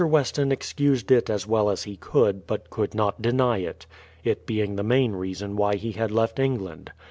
Weston excused it as well as he could, but could not deny it, it being the main reason why he had left England.